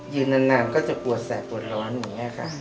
นานก็จะปวดแสบปวดร้อนอย่างนี้ค่ะ